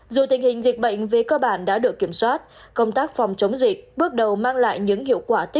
dù tình hình dịch bệnh về cơ bản đã được kiểm soát công tác phòng chống dịch bước đầu mang lại những hiệu quả